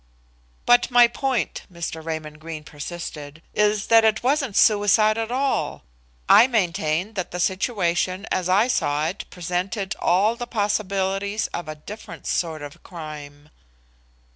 "But my point," Mr. Raymond Greene persisted, "is that it wasn't suicide at all. I maintain that the situation as I saw it presented all the possibilities of a different sort of crime."